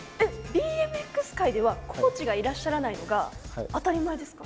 ＢＭＸ界ではコーチがいらっしゃらないのが当たり前ですか？